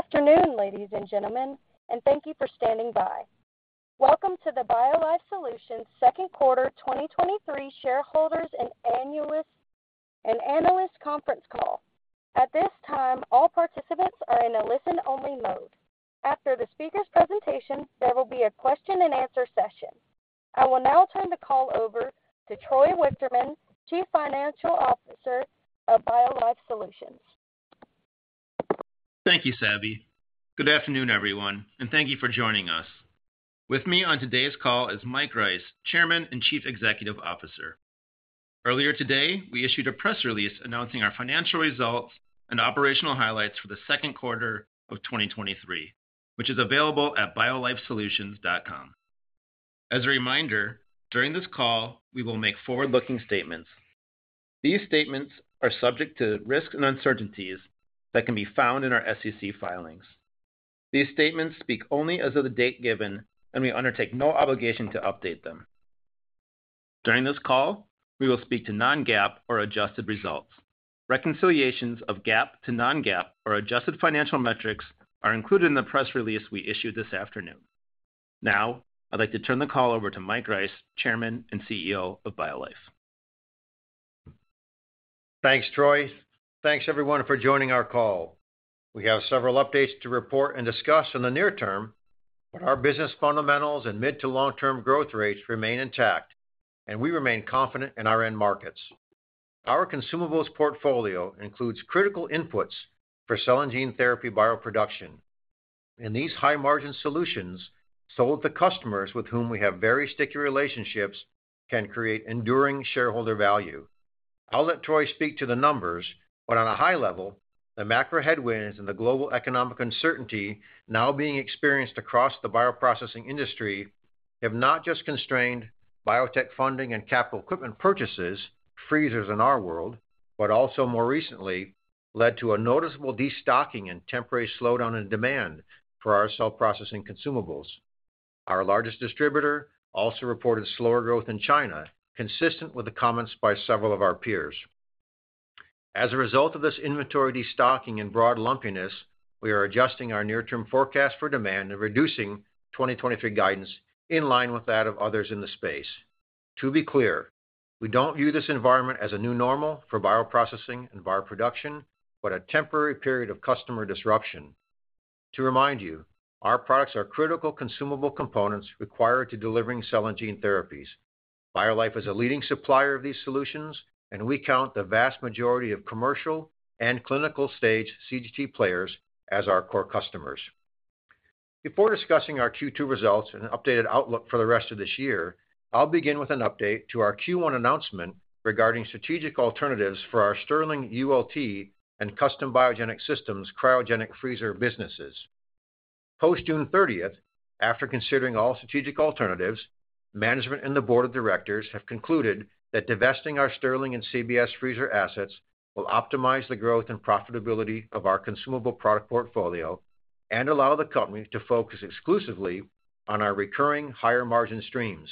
Good afternoon, ladies and gentlemen, and thank you for standing by. Welcome to the BioLife Solutions second quarter 2023 shareholders and analyst conference call. At this time, all participants are in a listen-only mode. After the speaker's presentation, there will be a question and answer session. I will now turn the call over to Troy Wichterman, Chief Financial Officer of BioLife Solutions. Thank you, Savi. Good afternoon, everyone, and thank you for joining us. With me on today's call is Mike Rice, Chairman and Chief Executive Officer. Earlier today, we issued a press release announcing our financial results and operational highlights for the second quarter of 2023, which is available at biolifesolutions.com. As a reminder, during this call, we will make forward-looking statements. These statements are subject to risks and uncertainties that can be found in our SEC filings. These statements speak only as of the date given, and we undertake no obligation to update them. During this call, we will speak to non-GAAP or adjusted results. Reconciliations of GAAP to non-GAAP or adjusted financial metrics are included in the press release we issued this afternoon. Now, I'd like to turn the call over to Mike Rice, Chairman and CEO of BioLife. Thanks, Troy. Thanks, everyone, for joining our call. We have several updates to report and discuss in the near term, but our business fundamentals and mid to long-term growth rates remain intact, and we remain confident in our end markets. Our consumables portfolio includes critical inputs for cell and gene therapy bioproduction. These high-margin solutions, sold to customers with whom we have very sticky relationships, can create enduring shareholder value. I'll let Troy speak to the numbers, but on a high level, the macro headwinds and the global economic uncertainty now being experienced across the bioprocessing industry have not just constrained biotech funding and capital equipment purchases, freezers in our world, but also more recently led to a noticeable destocking and temporary slowdown in demand for our cell processing consumables. Our largest distributor also reported slower growth in China, consistent with the comments by several of our peers. As a result of this inventory destocking and broad lumpiness, we are adjusting our near-term forecast for demand and reducing 2023 guidance in line with that of others in the space. To be clear, we don't view this environment as a new normal for bioprocessing and bioproduction, but a temporary period of customer disruption. To remind you, our products are critical consumable components required to delivering cell and gene therapies. BioLife is a leading supplier of these solutions, and we count the vast majority of commercial and clinical-stage CGT players as our core customers. Before discussing our Q2 results and an updated outlook for the rest of this year, I'll begin with an update to our Q1 announcement regarding strategic alternatives for our Stirling ULT and Custom Biogenic Systems cryogenic freezer businesses. Post-June 30th, after considering all strategic alternatives, management and the board of directors have concluded that divesting our Stirling and CBS freezer assets will optimize the growth and profitability of our consumable product portfolio and allow the company to focus exclusively on our recurring higher-margin streams.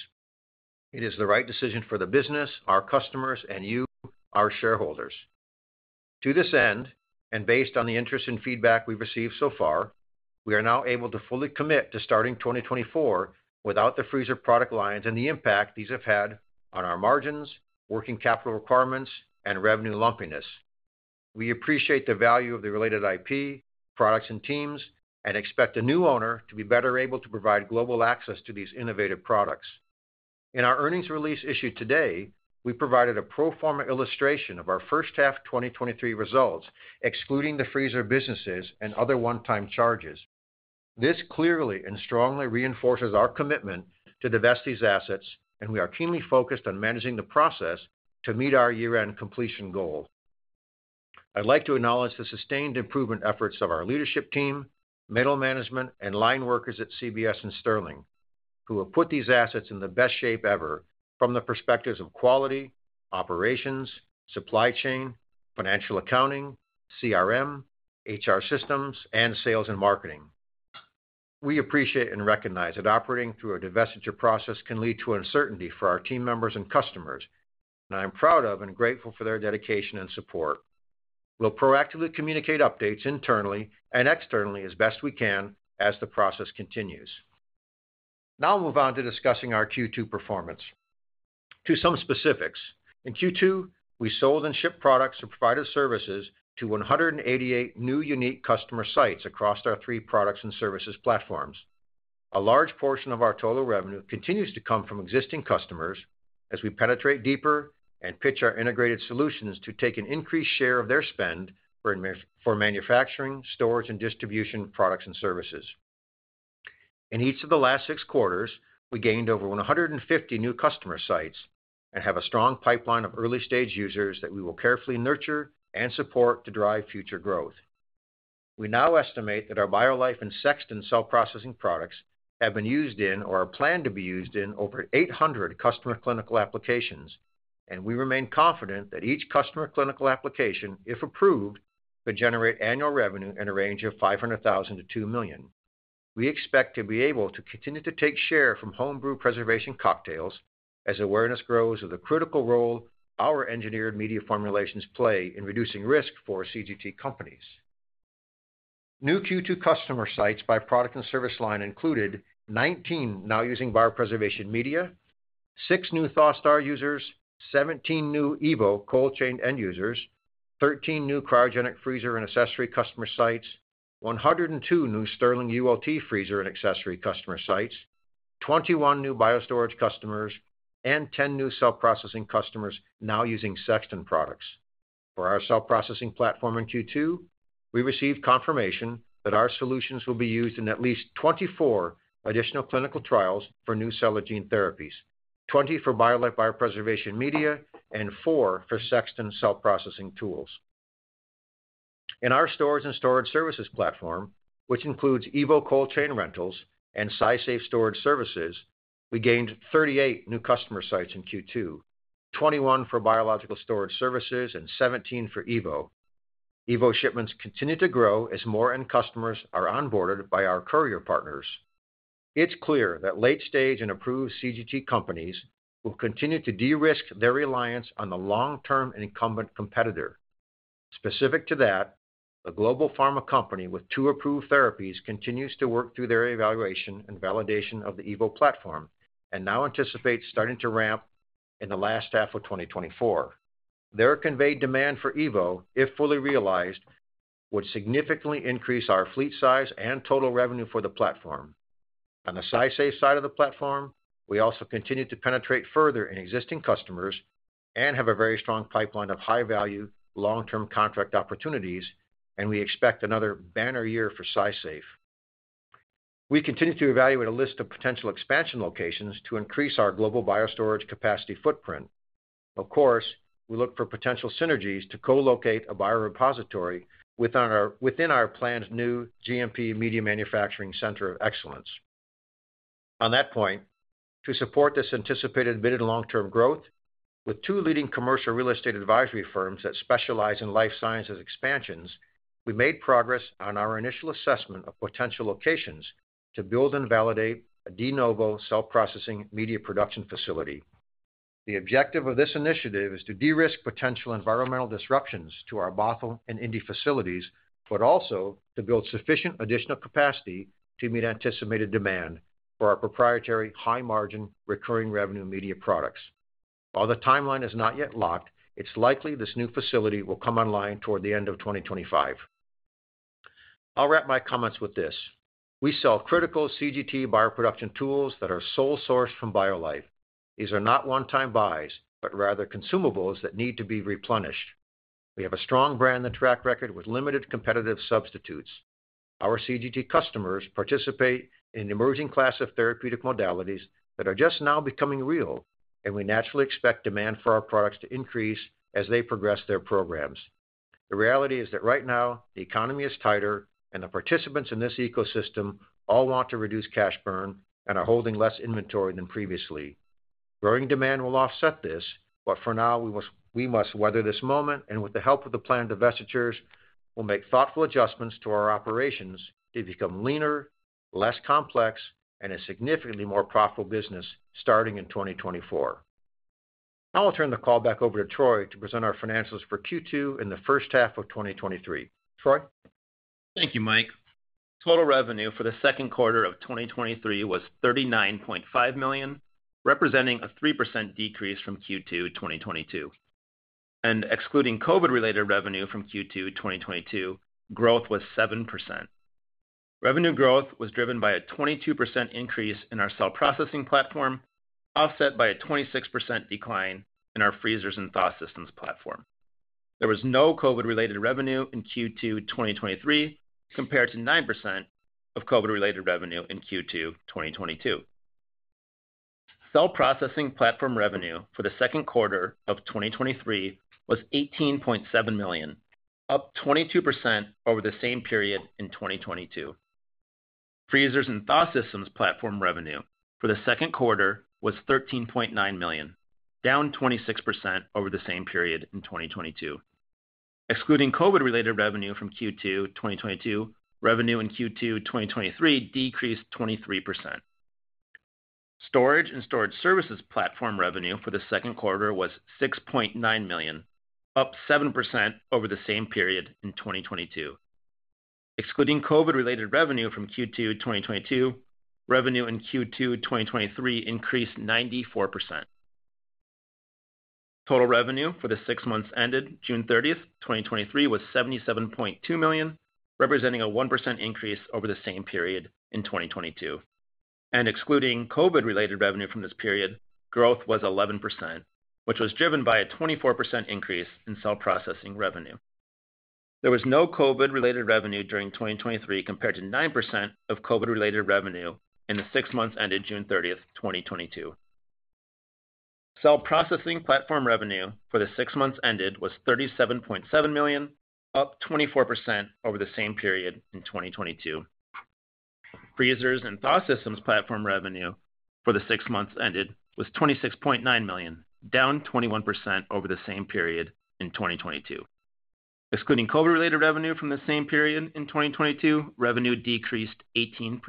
It is the right decision for the business, our customers, and you, our shareholders. To this end, and based on the interest and feedback we've received so far, we are now able to fully commit to starting 2024 without the freezer product lines and the impact these have had on our margins, working capital requirements, and revenue lumpiness. We appreciate the value of the related IP, products, and teams and expect a new owner to be better able to provide global access to these innovative products. In our earnings release issued today, we provided a pro forma illustration of our first half 2023 results, excluding the freezer businesses and other one-time charges. This clearly and strongly reinforces our commitment to divest these assets. We are keenly focused on managing the process to meet our year-end completion goal. I'd like to acknowledge the sustained improvement efforts of our leadership team, middle management, and line workers at CBS and Stirling, who have put these assets in the best shape ever from the perspectives of quality, operations, supply chain, financial accounting, CRM, HR systems, and sales and marketing. We appreciate and recognize that operating through a divestiture process can lead to uncertainty for our team members and customers. I'm proud of and grateful for their dedication and support. We'll proactively communicate updates internally and externally as best we can as the process continues. I'll move on to discussing our Q2 performance. To some specifics, in Q2, we sold and shipped products and provided services to 188 new unique customer sites across our three products and services platforms. A large portion of our total revenue continues to come from existing customers as we penetrate deeper and pitch our integrated solutions to take an increased share of their spend for manufacturing, storage, and distribution products and services. In each of the last six quarters, we gained over 150 new customer sites and have a strong pipeline of early-stage users that we will carefully nurture and support to drive future growth. We now estimate that our BioLife and Sexton cell processing products have been used in or are planned to be used in over 800 customer clinical applications. We remain confident that each customer clinical application, if approved, could generate annual revenue in a range of $500,000-$2 million. We expect to be able to continue to take share from home brew preservation cocktails as awareness grows of the critical role our engineered media formulations play in reducing risk for CGT companies. New Q2 customer sites by product and service line included 19 now using biopreservation media, six new ThawSTAR users, 17 new evo cold chain end users, 13 new cryogenic freezer and accessory customer sites, 102 new Stirling ULT freezer and accessory customer sites, 21 new Biostorage customers, and 10 new cell processing customers now using Sexton products. For our cell processing platform in Q2, we received confirmation that our solutions will be used in at least 24 additional clinical trials for new cell or gene therapies, 20 for BioLife biopreservation media, and four for Sexton cell processing tools. In our storage and storage services platform, which includes evo cold chain rentals and SciSafe storage services, we gained 38 new customer sites in Q2, 21 for biological storage services and 17 for evo. evo shipments continue to grow as more end customers are onboarded by our courier partners. It's clear that late stage and approved CGT companies will continue to de-risk their reliance on the long-term incumbent competitor. Specific to that, a global pharma company with two approved therapies continues to work through their evaluation and validation of the evo platform, and now anticipates starting to ramp in the last half of 2024. Their conveyed demand for evo, if fully realized, would significantly increase our fleet size and total revenue for the platform. On the SciSafe side of the platform, we also continue to penetrate further in existing customers and have a very strong pipeline of high-value, long-term contract opportunities. We expect another banner year for SciSafe. We continue to evaluate a list of potential expansion locations to increase our global biostorage capacity footprint. Of course, we look for potential synergies to co-locate a biorepository within our planned new GMP Media Manufacturing Center of Excellence. On that point, to support this anticipated mid and long-term growth, with two leading commercial real estate advisory firms that specialize in life sciences expansions, we made progress on our initial assessment of potential locations to build and validate a de novo cell processing media production facility. The objective of this initiative is to de-risk potential environmental disruptions to our Bothell and Indy facilities, but also to build sufficient additional capacity to meet anticipated demand for our proprietary, high-margin, recurring revenue media products. While the timeline is not yet locked, it's likely this new facility will come online toward the end of 2025. I'll wrap my comments with this. We sell critical CGT bioproduction tools that are sole sourced from BioLife. These are not one-time buys, but rather consumables that need to be replenished. We have a strong brand and track record with limited competitive substitutes. Our CGT customers participate in an emerging class of therapeutic modalities that are just now becoming real, and we naturally expect demand for our products to increase as they progress their programs. The reality is that right now the economy is tighter, and the participants in this ecosystem all want to reduce cash burn and are holding less inventory than previously. Growing demand will offset this, but for now, we must weather this moment, and with the help of the planned divestitures, we'll make thoughtful adjustments to our operations to become leaner, less complex, and a significantly more profitable business starting in 2024. Now I'll turn the call back over to Troy to present our financials for Q2 in the first half of 2023. Troy? Thank you, Mike. Total revenue for the second quarter of 2023 was $39.5 million, representing a 3% decrease from Q2 2022. Excluding COVID-related revenue from Q2 2022, growth was 7%. Revenue growth was driven by a 22% increase in our cell processing platform, offset by a 26% decline in our freezers and thaw systems platform. There was no COVID-related revenue in Q2 2023, compared to 9% of COVID-related revenue in Q2 2022. Cell processing platform revenue for the second quarter of 2023 was $18.7 million, up 22% over the same period in 2022. Freezers and thaw systems platform revenue for the second quarter was $13.9 million, down 26% over the same period in 2022. Excluding COVID-related revenue from Q2 2022, revenue in Q2 2023 decreased 23%. Storage and storage services platform revenue for the second quarter was $6.9 million, up 7% over the same period in 2022. Excluding COVID-related revenue from Q2 2022, revenue in Q2 2023 increased 94%. Total revenue for the six months ended June 30th, 2023, was $77.2 million, representing a 1% increase over the same period in 2022, and excluding COVID-related revenue from this period, growth was 11%, which was driven by a 24% increase in cell processing revenue. There was no COVID-related revenue during 2023, compared to 9% of COVID-related revenue in the six months ended June 30th, 2022. Cell processing platform revenue for the six months ended was $37.7 million, up 24% over the same period in 2022. Freezers and thaw systems platform revenue for the six months ended was $26.9 million, down 21% over the same period in 2022. Excluding COVID-related revenue from the same period in 2022, revenue decreased 18%.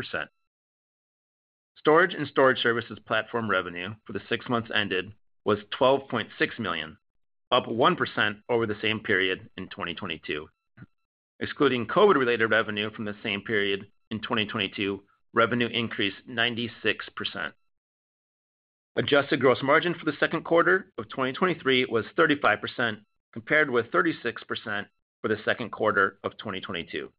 Storage and storage services platform revenue for the six months ended was $12.6 million, up 1% over the same period in 2022. Excluding COVID-related revenue from the same period in 2022, revenue increased 96%. Adjusted gross margin for the second quarter of 2023 was 35%, compared with 36% for the second quarter of 2022.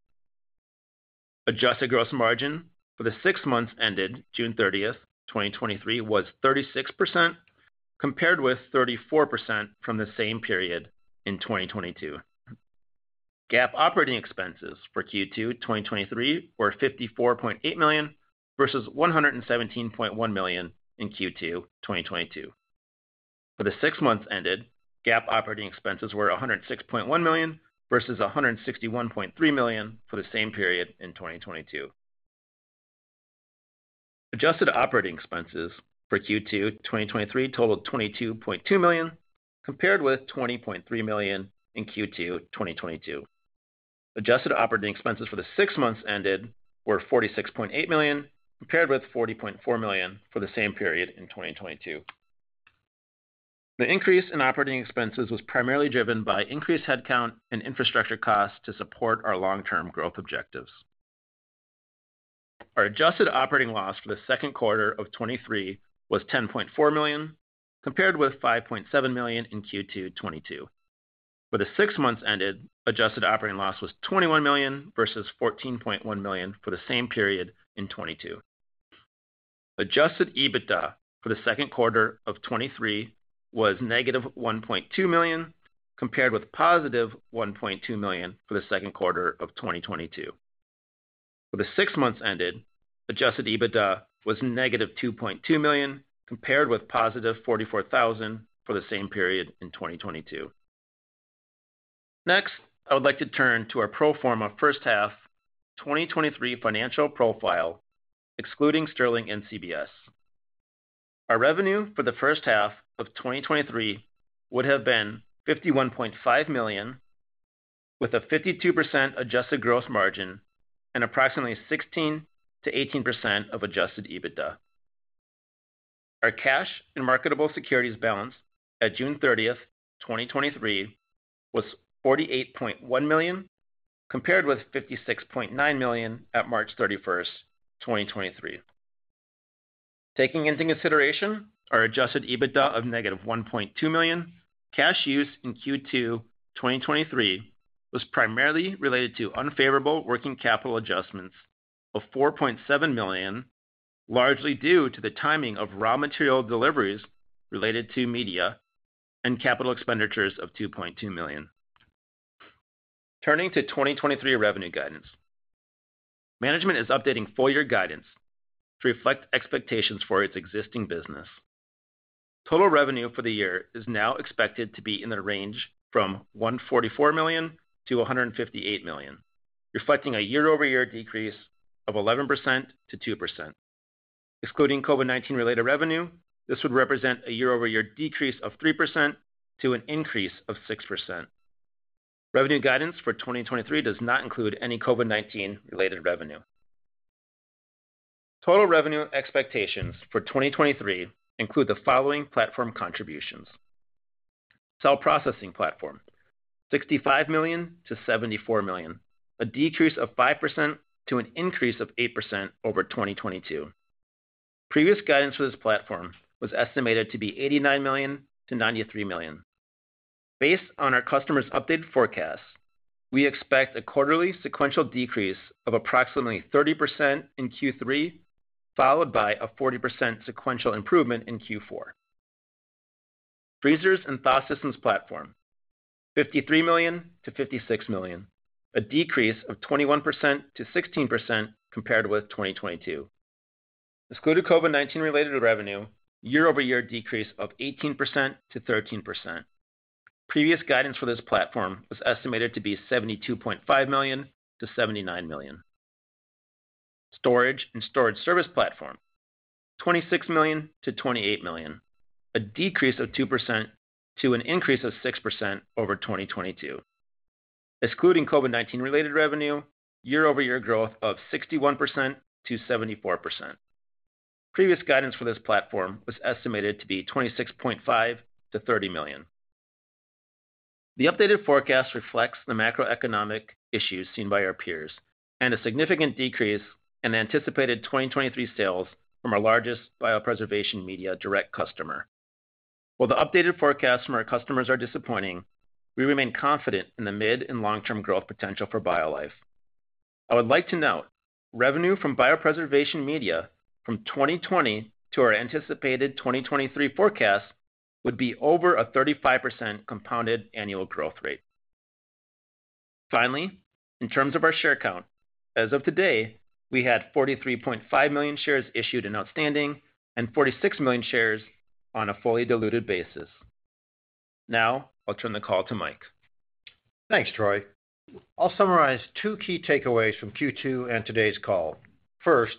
Adjusted gross margin for the six months ended June 30, 2023, was 36%, compared with 34% from the same period in 2022. GAAP operating expenses for Q2 2023 were $54.8 million, versus $117.1 million in Q2 2022. For the six months ended, GAAP operating expenses were $106.1 million versus $161.3 million for the same period in 2022. Adjusted operating expenses for Q2 2023 totaled $22.2 million, compared with $20.3 million in Q2 2022. Adjusted operating expenses for the six months ended were $46.8 million, compared with $40.4 million for the same period in 2022. The increase in operating expenses was primarily driven by increased headcount and infrastructure costs to support our long-term growth objectives. Our adjusted operating loss for the second quarter of 2023 was $10.4 million, compared with $5.7 million in Q2 2022. For the six months ended, adjusted operating loss was $21 million versus $14.1 million for the same period in 2022. Adjusted EBITDA for the second quarter of 2023 was -$1.2 million, compared with +$1.2 million for the second quarter of 2022. For the six months ended, adjusted EBITDA was -$2.2 million, compared with +$44,000 for the same period in 2022. Next, I would like to turn to our pro forma first half 2023 financial profile, excluding Stirling and CBS. Our revenue for the first half of 2023 would have been $51.5 million, with a 52% adjusted gross margin and approximately 16%-18% of adjusted EBITDA. Our cash and marketable securities balance at June 30, 2023, was $48.1 million, compared with $56.9 million at March 31, 2023. Taking into consideration our adjusted EBITDA of -$1.2 million, cash use in Q2 2023 was primarily related to unfavorable working capital adjustments of $4.7 million, largely due to the timing of raw material deliveries related to media and capital expenditures of $2.2 million. Turning to 2023 revenue guidance. Management is updating full year guidance to reflect expectations for its existing business. Total revenue for the year is now expected to be in the range from $144 million-$158 million, reflecting a year-over-year decrease of 11% to 2%. Excluding COVID-19 related revenue, this would represent a year-over-year decrease of 3% to an increase of 6%. Revenue guidance for 2023 does not include any COVID-19 related revenue. Total revenue expectations for 2023 include the following platform contributions: cell processing platform, $65 million-$74 million, a decrease of 5% to an increase of 8% over 2022. Previous guidance for this platform was estimated to be $89 million-$93 million. Based on our customers' updated forecast, we expect a quarterly sequential decrease of approximately 30% in Q3, followed by a 40% sequential improvement in Q4. Freezers and Thaw Systems platform, $53 million-$56 million, a decrease of 21%-16% compared with 2022. Excluding COVID-19 related revenue, year-over-year decrease of 18%-13%. Previous guidance for this platform was estimated to be $72.5 million-$79 million. Storage and Storage Services platform, $26 million-$28 million, a decrease of 2% to an increase of 6% over 2022. Excluding COVID-19 related revenue, year-over-year growth of 61%-74%. Previous guidance for this platform was estimated to be $26.5 million-$30 million. The updated forecast reflects the macroeconomic issues seen by our peers and a significant decrease in anticipated 2023 sales from our largest biopreservation media direct customer. While the updated forecast from our customers are disappointing, we remain confident in the mid and long-term growth potential for BioLife. I would like to note, revenue from biopreservation media from 2020 to our anticipated 2023 forecast would be over a 35% compounded annual growth rate. Finally, in terms of our share count, as of today, we had 43.5 million shares issued and outstanding, and 46 million shares on a fully diluted basis. Now I'll turn the call to Mike. Thanks, Troy. I'll summarize two key takeaways from Q2 and today's call. First,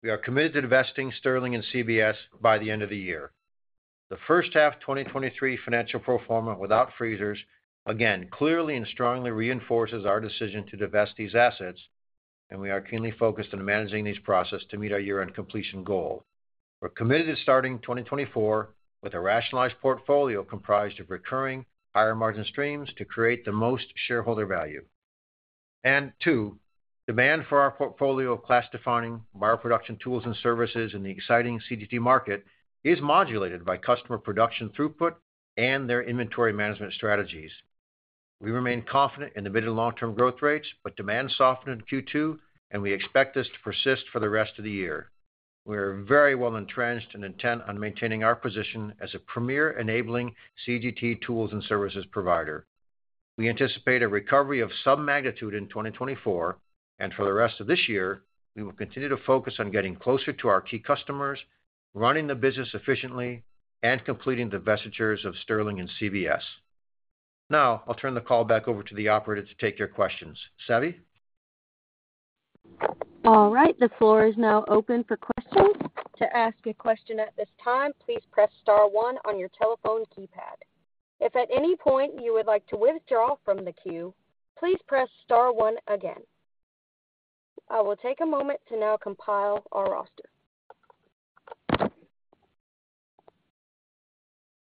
we are committed to divesting Stirling and CBS by the end of the year. The first half 2023 financial pro forma without freezers, again, clearly and strongly reinforces our decision to divest these assets, and we are keenly focused on managing this process to meet our year-end completion goal. We're committed to starting 2024 with a rationalized portfolio comprised of recurring, higher-margin streams to create the most shareholder value. Two, demand for our portfolio of class-defining bioproduction tools and services in the exciting CGT market is modulated by customer production throughput and their inventory management strategies. We remain confident in the mid- and long-term growth rates, but demand softened in Q2, and we expect this to persist for the rest of the year. We're very well entrenched and intent on maintaining our position as a premier enabling CGT tools and services provider. We anticipate a recovery of some magnitude in 2024. For the rest of this year, we will continue to focus on getting closer to our key customers, running the business efficiently, and completing divestitures of Stirling and CBS. I'll turn the call back over to the operator to take your questions. Savi? All right. The floor is now open for questions. To ask a question at this time, please press star one on your telephone keypad. If at any point you would like to withdraw from the queue, please press star one again. I will take a moment to now compile our roster.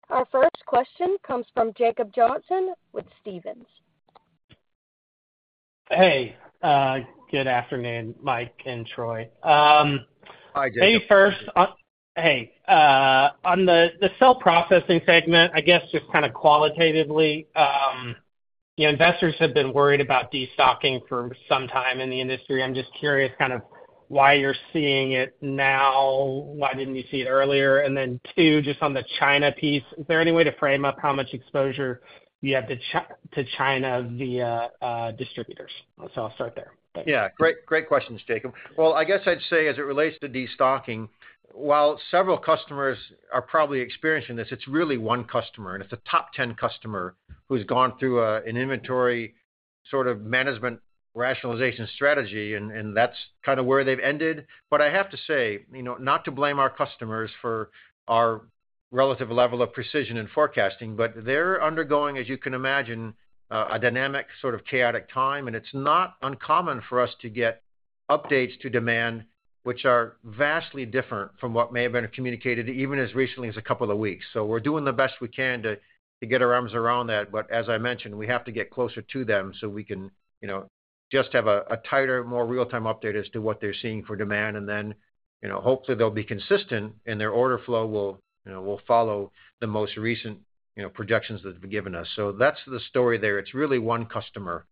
Our first question comes from Jacob Johnson with Stephens. Hey, good afternoon, Mike and Troy. Hi, Jacob. Maybe first, Hey, on the cell processing segment, I guess just kind of qualitatively, you know, investors have been worried about destocking for some time in the industry. I'm just curious kind of why you're seeing it now, why didn't you see it earlier? Then, two, just on the China piece, is there any way to frame up how much exposure you have to China via distributors? I'll start there. Yeah, great, great questions, Jacob. Well, I guess I'd say as it relates to destocking, while several customers are probably experiencing this, it's really one customer, and it's a top 10 customer who's gone through an inventory sort of management rationalization strategy, and, and that's kind of where they've ended. I have to say, you know, not to blame our customers for our relative level of precision in forecasting, but they're undergoing, as you can imagine, a dynamic, sort of chaotic time, and it's not uncommon for us to get updates to demand, which are vastly different from what may have been communicated even as recently as a couple of weeks. We're doing the best we can to, to get our arms around that. As I mentioned, we have to get closer to them so we can, you know, just have a, a tighter, more real-time update as to what they're seeing for demand, and then, you know, hopefully they'll be consistent and their order flow will, you know, will follow the most recent, you know, projections that have been given us. That's the story there. It's really one customer.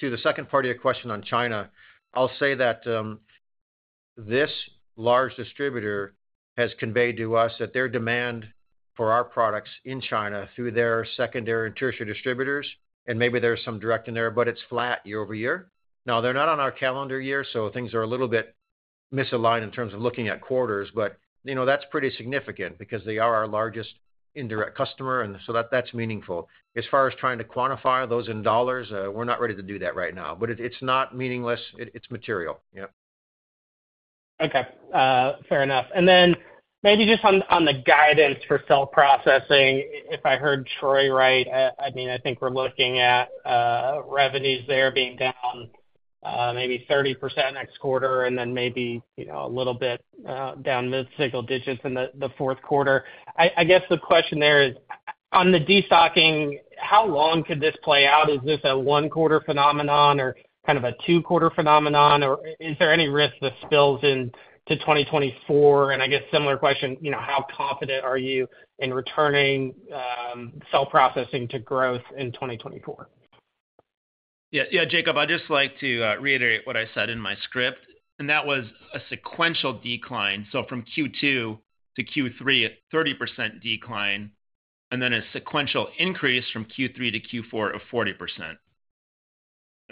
To the second part of your question on China, I'll say that this large distributor has conveyed to us that their demand for our products in China through their secondary and tertiary distributors, and maybe there's some direct in there, but it's flat year-over-year. Now, they're not on our calendar year, so things are a little bit misaligned in terms of looking at quarters, but, you know, that's pretty significant because they are our largest indirect customer, and so that, that's meaningful. As far as trying to quantify those in dollars, we're not ready to do that right now, but it, it's not meaningless, it, it's material. Yeah. Okay, fair enough. Then maybe just on, on the guidance for cell processing, if I heard Troy right, I mean, I think we're looking at revenues there being down maybe 30% next quarter and then maybe, you know, a little bit down mid-single digits in the fourth quarter. I, I guess the question there is, on the destocking, how long could this play out? Is this a 1-quarter phenomenon or kind of a 2-quarter phenomenon, or is there any risk this spills into 2024? I guess, similar question, you know, how confident are you in returning cell processing to growth in 2024? Yeah, yeah, Jacob, I'd just like to reiterate what I said in my script, and that was a sequential decline, so from Q2 to Q3, a 30% decline, and then a sequential increase from Q3 to Q4 of 40%.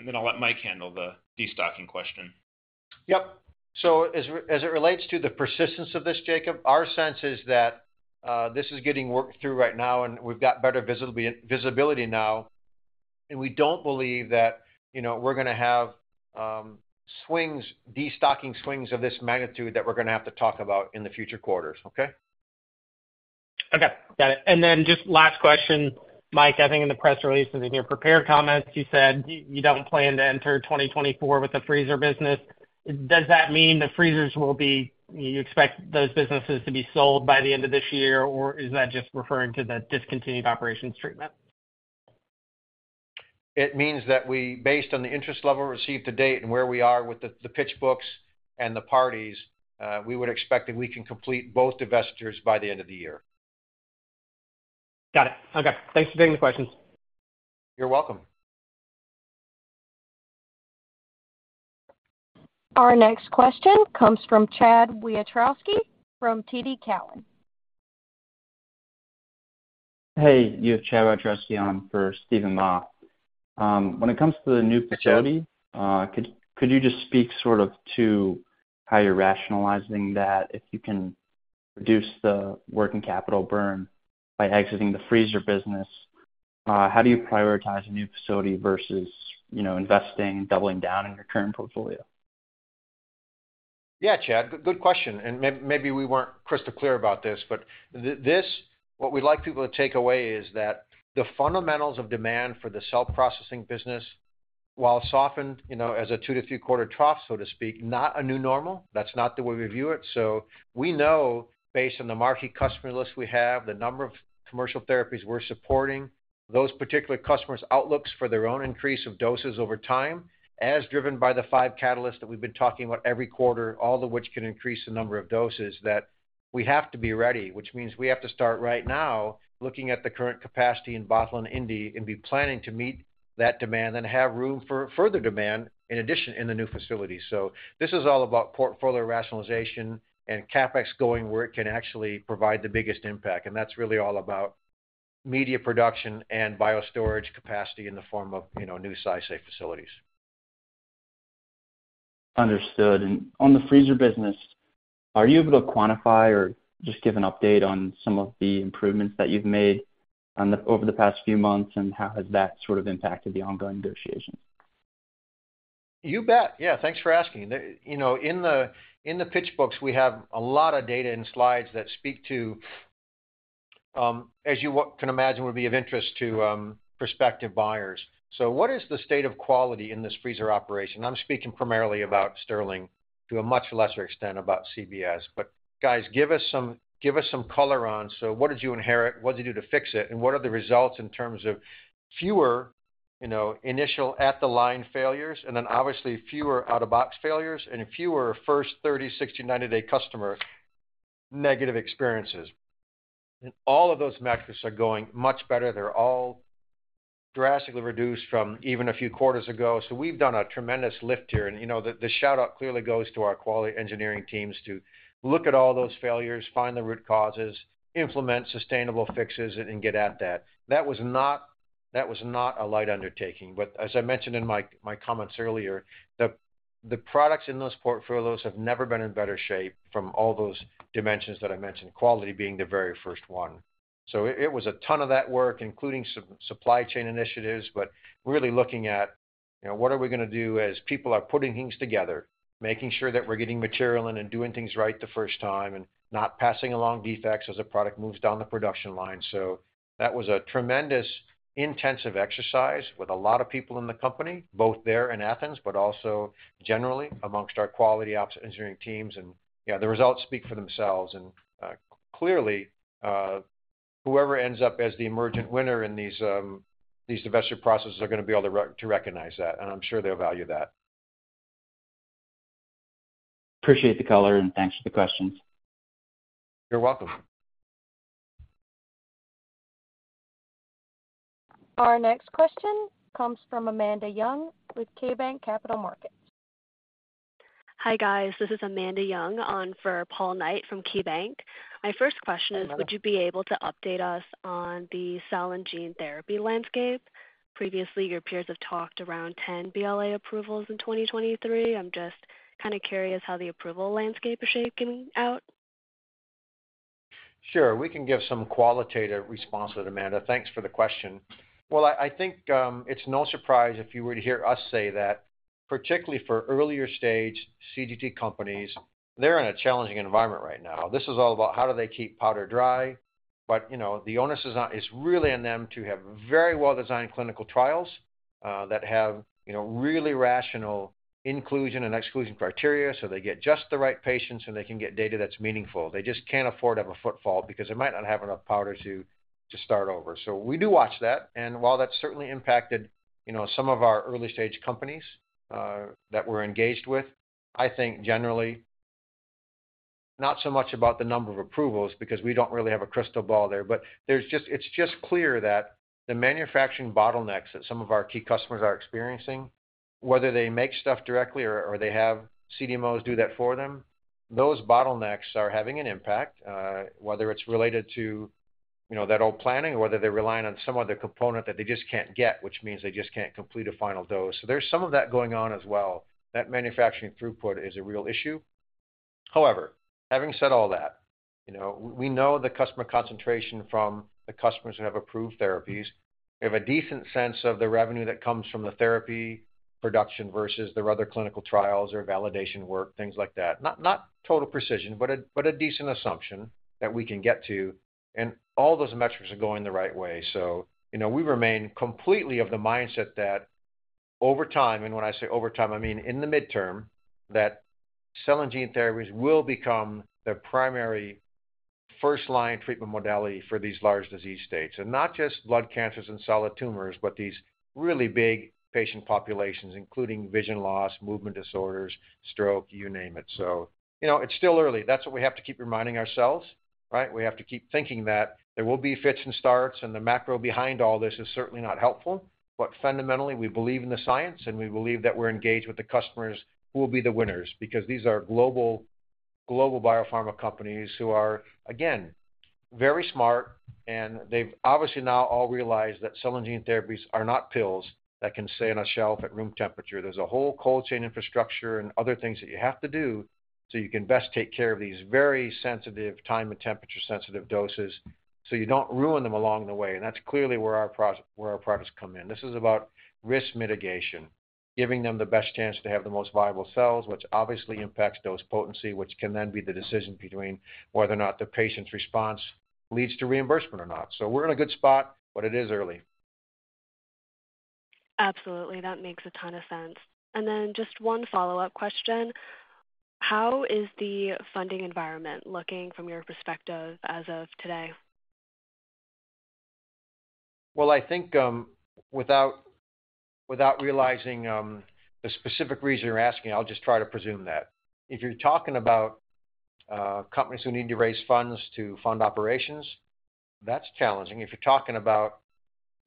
Then I'll let Mike handle the destocking question. Yep. As, as it relates to the persistence of this, Jacob, our sense is that this is getting worked through right now, and we've got better visibility, visibility now, and we don't believe that, you know, we're gonna have swings, destocking swings of this magnitude that we're gonna have to talk about in the future quarters. Okay? Okay, got it. Then just last question, Mike, I think in the press release and in your prepared comments, you said you don't plan to enter 2024 with the freezer business. Does that mean the freezers will be... You expect those businesses to be sold by the end of this year, or is that just referring to the discontinued operations treatment? It means that we, based on the interest level received to date and where we are with the, the pitch books and the parties, we would expect that we can complete both divestitures by the end of the year. Got it. Okay. Thanks for taking the questions. You're welcome. Our next question comes from Chad Wiatrowski from TD Cowen. Hey, you have Chad Wiatrowski on for Steven Ma. When it comes to the new facility, could, could you just speak sort of to how you're rationalizing that if you can reduce the working capital burn by exiting the freezer business, how do you prioritize a new facility versus, investing, doubling down on your current portfolio? Yeah, Chad, good question, and maybe we weren't crystal clear about this, but this, what we'd like people to take away is that the fundamentals of demand for the cell processing business, while softened, you know, as a 2-3 quarter trough, so to speak, not a new normal. That's not the way we view it. We know based on the marquee customer list we have, the number of commercial therapies we're supporting, those particular customers' outlooks for their own increase of doses over time, as driven by the five catalysts that we've been talking about every quarter, all of which can increase the number of doses that we have to be ready. Which means we have to start right now, looking at the current capacity in Bothell and Indy, and be planning to meet that demand and have room for further demand in addition in the new facility. This is all about portfolio rationalization and CapEx going where it can actually provide the biggest impact, and that's really all about media production and bio storage capacity in the form of, you know, new SciSafe facilities. Understood. On the freezer business, are you able to quantify or just give an update on some of the improvements that you've made over the past few months, and how has that sort of impacted the ongoing negotiations? You bet. Yeah, thanks for asking. You know, in the pitch books, we have a lot of data and slides that speak to, as you can imagine, would be of interest to prospective buyers. What is the state of quality in this freezer operation? I'm speaking primarily about Stirling, to a much lesser extent, about CBS. Guys, give us some, give us some color on, what did you inherit, what did you do to fix it, and what are the results in terms of fewer, you know, initial at-the-line failures, and then obviously, fewer out-of-box failures, and fewer first 30, 60, 90-day customer negative experiences? All of those metrics are going much better. They're all drastically reduced from even a few quarters ago. We've done a tremendous lift here, and, you know, the, the shout-out clearly goes to our quality engineering teams to look at all those failures, find the root causes, implement sustainable fixes, and, and get at that. That was not, that was not a light undertaking, but as I mentioned in my, my comments earlier, the, the products in those portfolios have never been in better shape from all those dimensions that I mentioned, quality being the very first one. It, it was a ton of that work, including sup- supply chain initiatives, but really looking at, you know, what are we gonna do as people are putting things together, making sure that we're getting material in and doing things right the first time, and not passing along defects as the product moves down the production line. That was a tremendous intensive exercise with a lot of people in the company, both there in Athens, but also generally amongst our quality ops engineering teams. Yeah, the results speak for themselves, and clearly whoever ends up as the emergent winner in these these divestiture processes are gonna be able to recognize that, and I'm sure they'll value that. Appreciate the color, and thanks for the questions. You're welcome. Our next question comes from Amanda Young, with KeyBanc Capital Markets. Hi, guys. This is Amanda Young on for Paul Knight from KeyBanc. My first question is: Would you be able to update us on the cell and gene therapy landscape? Previously, your peers have talked around 10 BLA approvals in 2023. I'm just kind of curious how the approval landscape is shaping out. Sure. We can give some qualitative response to that, Amanda. Thanks for the question. Well, I think, it's no surprise if you were to hear us say that, particularly for earlier-stage CGT companies, they're in a challenging environment right now. This is all about how do they keep powder dry, but, you know, the onus is really on them to have very well-designed clinical trials, that have, you know, really rational inclusion and exclusion criteria, so they get just the right patients, and they can get data that's meaningful. They just can't afford to have a footfall because they might not have enough powder to start over. We do watch that, and while that's certainly impacted, you know, some of our early-stage companies that we're engaged with, I think generally, not so much about the number of approvals, because we don't really have a crystal ball there. There's just clear that the manufacturing bottlenecks that some of our key customers are experiencing, whether they make stuff directly or, or they have CDMOs do that for them, those bottlenecks are having an impact, whether it's related to, you know, that old planning or whether they're relying on some other component that they just can't get, which means they just can't complete a final dose. There's some of that going on as well. That manufacturing throughput is a real issue. However, having said all that, you know, we know the customer concentration from the customers who have approved therapies. We have a decent sense of the revenue that comes from the therapy production versus their other clinical trials or validation work, things like that. Not total precision, but a decent assumption that we can get to. All those metrics are going the right way. You know, we remain completely of the mindset that over time, and when I say over time, I mean in the midterm, that cell and gene therapies will become the primary first-line treatment modality for these large disease states. Not just blood cancers and solid tumors, but these really big patient populations, including vision loss, movement disorders, stroke, you name it. You know, it's still early. That's what we have to keep reminding ourselves, right? We have to keep thinking that there will be fits and starts. The macro behind all this is certainly not helpful. Fundamentally, we believe in the science, and we believe that we're engaged with the customers who will be the winners, because these are global, global biopharma companies who are, again, very smart, and they've obviously now all realized that cell and gene therapies are not pills that can stay on a shelf at room temperature. There's a whole cold chain infrastructure and other things that you have to so you can best take care of these very sensitive, time and temperature-sensitive doses, so you don't ruin them along the way, and that's clearly where our where our products come in. This is about risk mitigation, giving them the best chance to have the most viable cells, which obviously impacts dose potency, which can then be the decision between whether or not the patient's response leads to reimbursement or not. We're in a good spot, but it is early. Absolutely. That makes a ton of sense. Then just one follow-up question: How is the funding environment looking from your perspective as of today? Well, I think, without, without realizing, the specific reason you're asking, I'll just try to presume that. If you're talking about, companies who need to raise funds to fund operations, that's challenging. If you're talking about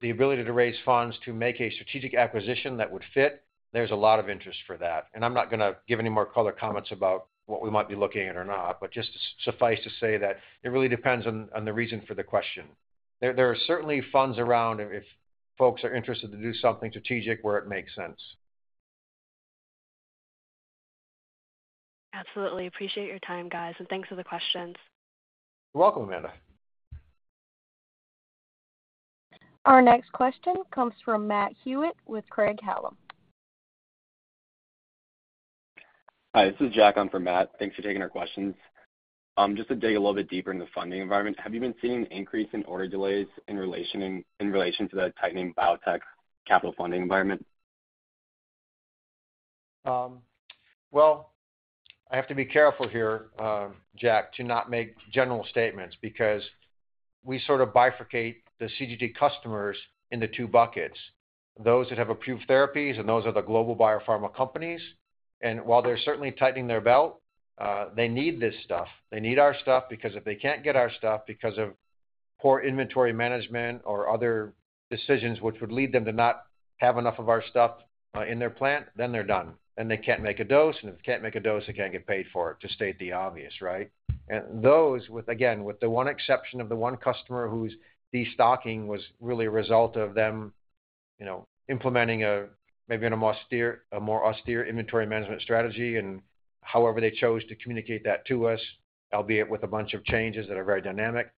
the ability to raise funds to make a strategic acquisition that would fit, there's a lot of interest for that, and I'm not gonna give any more color comments about what we might be looking at or not. Just suffice to say that it really depends on, on the reason for the question. There, there are certainly funds around if, if folks are interested to do something strategic where it makes sense. Absolutely. Appreciate your time, guys, and thanks for the questions. You're welcome, Amanda. Our next question comes from Matt Hewitt with Craig-Hallum. Hi, this is Jack in for Matt. Thanks for taking our questions. Just to dig a little bit deeper in the funding environment, have you been seeing an increase in order delays in relation in, in relation to the tightening biotech capital funding environment? Well, I have to be careful here, Jack, to not make general statements because we sort of bifurcate the CGT customers into two buckets: those that have approved therapies and those are the global biopharma companies. While they're certainly tightening their belt, they need this stuff. They need our stuff because if they can't get our stuff because of poor inventory management or other decisions which would lead them to not have enough of our stuff, in their plant, then they're done, and they can't make a dose, and if they can't make a dose, they can't get paid for it, to state the obvious, right? Those with, again, with the one exception of the one customer whose destocking was really a result of them, you know, implementing a maybe in a more austere, a more austere inventory management strategy and however they chose to communicate that to us, albeit with a bunch of changes that are very dynamic.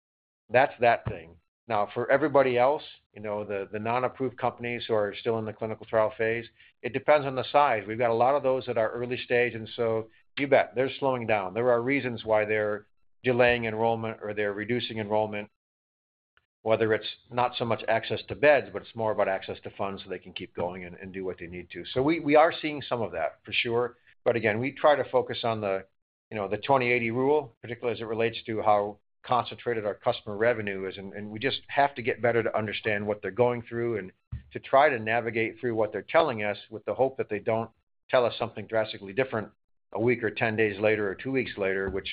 That's that thing. Now, for everybody else, you know, the, the non-approved companies who are still in the clinical trial phase, it depends on the size. We've got a lot of those that are early stage, and so you bet, they're slowing down. There are reasons why they're delaying enrollment or they're reducing enrollment, whether it's not so much access to beds, but it's more about access to funds so they can keep going and, and do what they need to. We, we are seeing some of that, for sure. Again, we try to focus on the, you know, the 20/80 rule, particularly as it relates to how concentrated our customer revenue is, and we just have to get better to understand what they're going through and to try to navigate through what they're telling us with the hope that they don't tell us something drastically different a week or 10 days later or two weeks later, which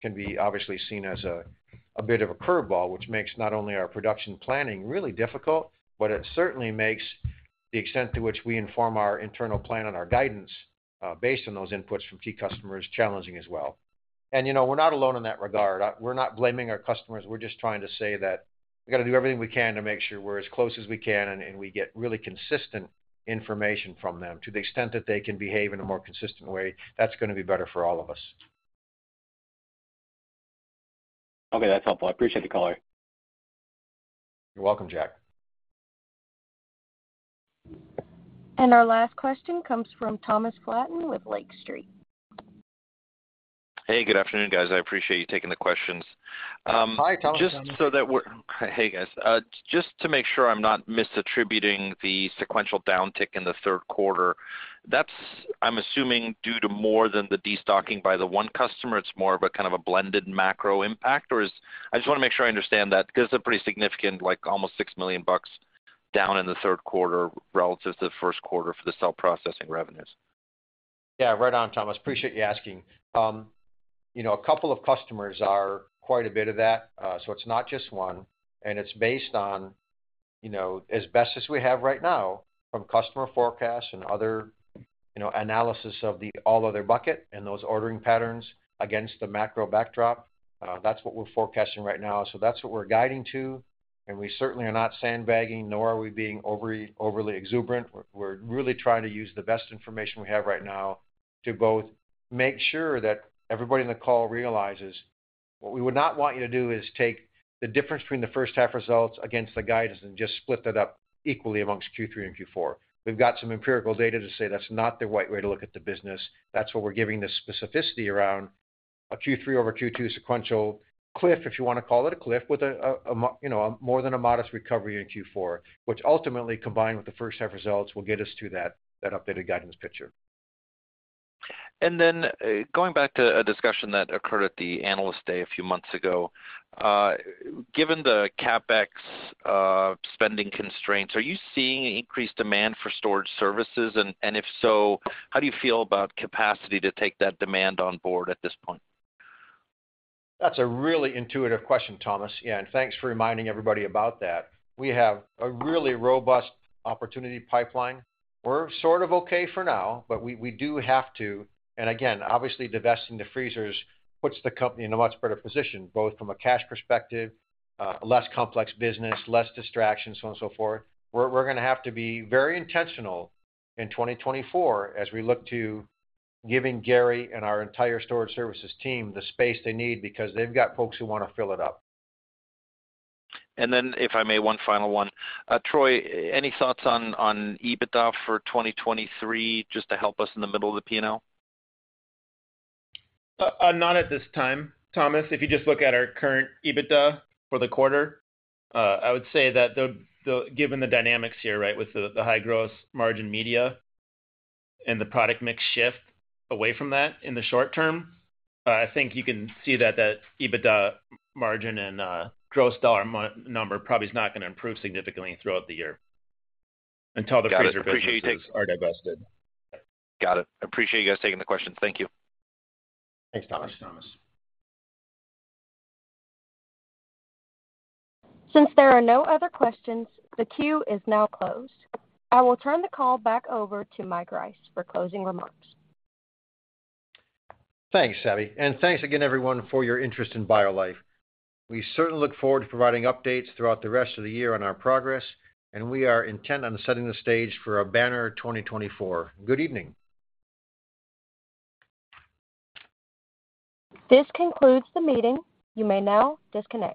can be obviously seen as a, a bit of a curveball, which makes not only our production planning really difficult. But it certainly makes the extent to which we inform our internal plan and our guidance, based on those inputs from key customers, challenging as well. You know, we're not alone in that regard. We're not blaming our customers. We're just trying to say that we've got to do everything we can to make sure we're as close as we can, and we get really consistent information from them. To the extent that they can behave in a more consistent way, that's gonna be better for all of us. Okay, that's helpful. I appreciate the call. You're welcome, Jack. Our last question comes from Thomas Flaten with Lake Street. Hey, good afternoon, guys. I appreciate you taking the questions. Hi, Thomas. Hey, guys. Just to make sure I'm not misattributing the sequential downtick in the third quarter, that's, I'm assuming, due to more than the destocking by the one customer, it's more of a kind of a blended macro impact, or is I just want to make sure I understand that because it's a pretty significant, like almost $6 million down in the third quarter relative to the first quarter for the cell processing revenues. Yeah, right on, Thomas. Appreciate you asking. You know, a couple of customers are quite a bit of that, so it's not just one, and it's based on, you know, as best as we have right now, from customer forecasts and other, you know, analysis of the all other bucket and those ordering patterns against the macro backdrop. That's what we're forecasting right now. That's what we're guiding to, and we certainly are not sandbagging, nor are we being overly, overly exuberant. We're, we're really trying to use the best information we have right now to both make sure that everybody on the call realizes what we would not want you to do is take the difference between the first half results against the guidance and just split that up equally amongst Q3 and Q4. We've got some empirical data to say that's not the right way to look at the business. That's what we're giving the specificity around a Q3 over Q2 sequential cliff, if you wanna call it a cliff, with a you know, more than a modest recovery in Q4, which ultimately, combined with the first half results, will get us to that, that updated guidance picture. Going back to a discussion that occurred at the Analyst Day a few months ago, given the CapEx spending constraints, are you seeing increased demand for storage services? If so, how do you feel about capacity to take that demand on board at this point? That's a really intuitive question, Thomas. Yeah, and thanks for reminding everybody about that. We have a really robust opportunity pipeline. We're sort of okay for now, but we, we do have to... Again, obviously, divesting the freezers puts the company in a much better position, both from a cash perspective, less complex business, less distraction, so on and so forth. We're, we're gonna have to be very intentional in 2024 as we look to giving Gary and our entire storage services team the space they need, because they've got folks who want to fill it up. Then, if I may, one final one. Troy, any thoughts on, on EBITDA for 2023, just to help us in the middle of the P&L? Not at this time, Thomas. If you just look at our current EBITDA for the quarter, I would say that given the dynamics here, right, with the high gross margin media and the product mix shift away from that in the short term, I think you can see that the EBITDA margin and gross dollar number probably is not gonna improve significantly throughout the year until the freezer businesses are divested. Got it. Appreciate you guys taking the questions. Thank you. Thanks, Thomas. Thanks, Thomas. Since there are no other questions, the queue is now closed. I will turn the call back over to Mike Rice for closing remarks. Thanks, Savi, and thanks again, everyone, for your interest in BioLife. We certainly look forward to providing updates throughout the rest of the year on our progress, and we are intent on setting the stage for a banner 2024. Good evening. This concludes the meeting. You may now disconnect.